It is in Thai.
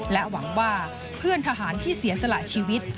หวังว่าเพื่อนทหารที่เสียสละชีวิต